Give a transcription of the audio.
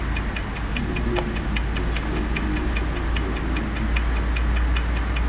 Si les deux substituants sont les mêmes, on ne met le nom qu'une fois.